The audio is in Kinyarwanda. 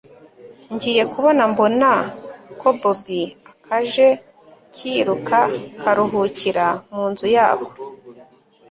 ngiye kubona mbona ka bobi a kaje kiruka karuhukira munzu yako